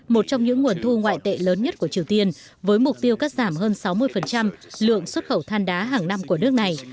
một trong những nguồn thu ngoại tệ lớn nhất của triều tiên với mục tiêu cắt giảm hơn sáu mươi lượng xuất khẩu than đá hàng năm của nước này